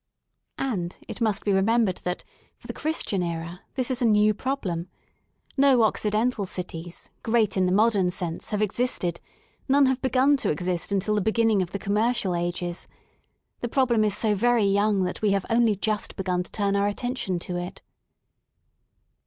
(And it must be remembered that, for the Christian era, this is a new problem. No occidental cities, great in the modern sense, have existed, none have begun to exist until the beginning of the Commercial Ages. The problem is so very young that we have only just begun to turn our attention to it.)